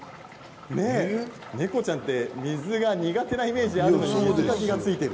猫ちゃんって水が苦手なイメージあるんですが水かきがついている。